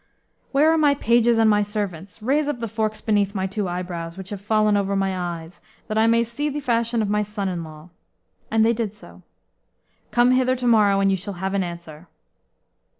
"Where are my pages and my servants? Raise up the forks beneath my two eyebrows, which have fallen over my eyes, that I may see the fashion of my son in law." And they did so. "Come hither to morrow, and you shall have an answer."